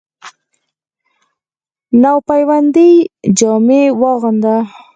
نو پیوندي جامې واغوندۀ،